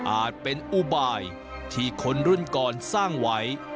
เป็นอุบายที่คนรุ่นก่อนสร้างไว้